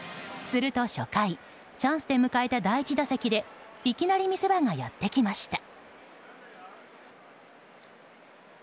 すると初回チャンスで迎えた第１打席でいきなり見せ場がやってきました。